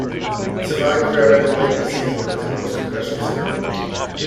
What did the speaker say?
Savard career ended late in the season because of post-concussion syndrome.